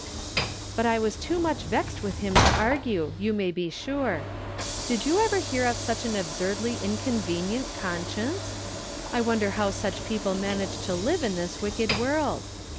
" But I was too much vexed with him to argue, you may be sure. Did you ever liear of such an absurdly inconvenient conscience ? I wonder how such people manage to live in this wicked world?